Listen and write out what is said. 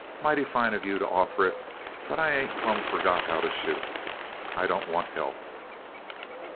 Mighty fine of you to offer it, but I ain't plumb forgot how to shoot. I don't want help!"